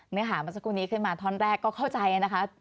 เนื้อหาณเมื่อชะนู้นเนี้ยขึ้นมาท้อแรกก็เข้าใจเนี่ยนะคะ